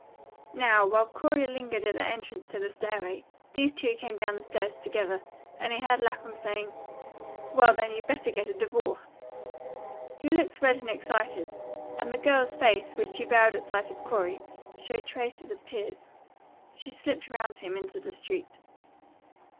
Now, while Corey lingered at the entrance to the stairway, these two came down the stairs together, and he heard Lapham saying, "Well, then, you better get a divorce." He looked red and excited, and the girl's face, which she veiled at sight of Corey, showed traces of tears. She slipped round him into the street.